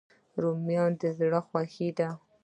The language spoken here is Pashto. رومیان د زړه خوښي دي